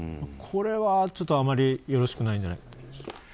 これは、ちょっとあまりよろしくないんじゃないかと。